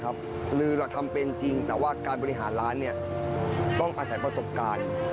คือเราทำเป็นจริงแต่ว่าการบริหารร้านต้องอาศัยประสบการณ์